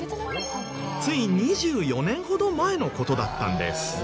つい２４年ほど前の事だったんです。